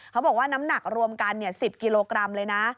เขาบอกว่าน้ำหนักรวมกัน๑๐กิโลกรัมเลยนะ